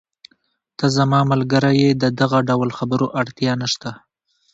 ته زما ملګری یې، د دغه ډول خبرو اړتیا نشته.